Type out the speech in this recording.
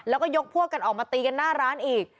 แล้วก็ยกพวกกันออกมาตีกันหน้าร้านอีก